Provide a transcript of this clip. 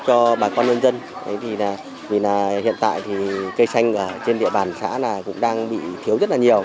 cho bà con nhân dân vì hiện tại thì cây xanh trên địa bàn xã cũng đang bị thiếu rất là nhiều